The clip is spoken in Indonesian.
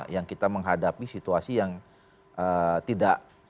yang kita menghadapi situasi yang tidak